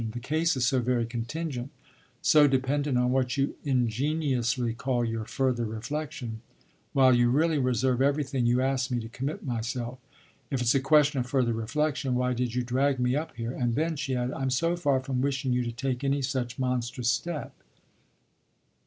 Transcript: "The case is so very contingent, so dependent on what you ingeniously call your further reflexion. While you really reserve everything you ask me to commit myself. If it's a question of further reflexion why did you drag me up here? And then," she added, "I'm so far from wishing you to take any such monstrous step."